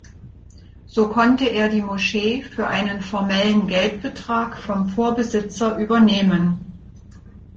So konnte er die Moschee für einen formellen Geldbetrag vom Vorbesitzer übernehmen.